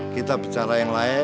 kita bicara yang lain